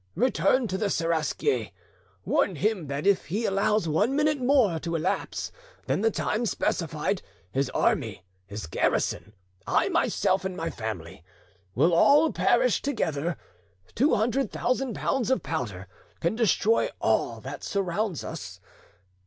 Return to the Seraskier, warn him that if he allows one minute more to elapse than the time specified, his army, his garrison, I myself and my family, will all perish together: two hundred thousand pounds of powder can destroy all that surrounds us.